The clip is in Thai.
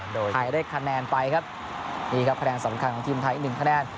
โดยไทยได้คะแนนไปครับนี่ครับคะแนนสำคัญของทีมไทยหนึ่งคะแนน